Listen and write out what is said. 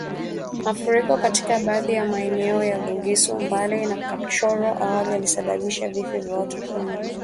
Mafuriko katika baadhi ya maeneo ya Bugisu Mbale na Kapchorwa awali yalisababisha vifo vya watu kumi